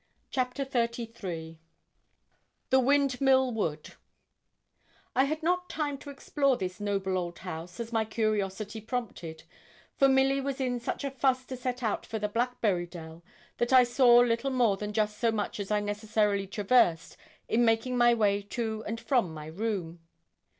CHAPTER XXXIII THE WINDMILL WOOD I had not time to explore this noble old house as my curiosity prompted; for Milly was in such a fuss to set out for the 'blackberry dell' that I saw little more than just so much as I necessarily traversed in making my way to and from my room.